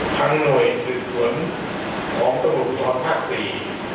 ทั้งหน่วยสื่อสวนของกระบุธรพักษี